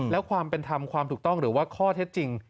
แล้วความเป็นธรรมความถูกต้องหรือว่าข้อเท็จจริง